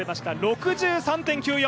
６３．９４！